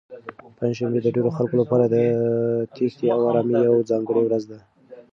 پنجشنبه د ډېرو خلکو لپاره د تېښتې او ارامۍ یوه ځانګړې ورځ ده.